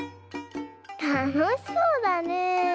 たのしそうだね。